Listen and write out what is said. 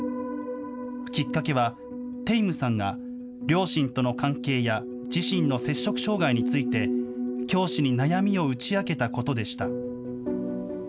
きっかけは、テイムさんが両親との関係や自身の摂食障害について、教師に悩みを打ち明けたことでした。